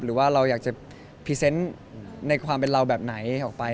หรือว่าเราอยากจะพรีเซนต์ในความเป็นเราแบบไหนออกไป